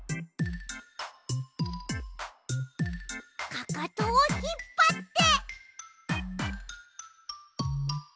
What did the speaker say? かかとをひっぱって。